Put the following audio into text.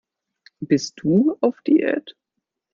Bist du auf Diät?